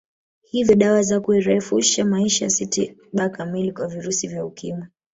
Hivyo dawa za kurefusha maisha si tiba kamili kwa virusi vya Ukimwi